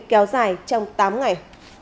kéo dài trong tám ngày